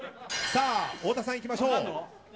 太田さんいきましょう。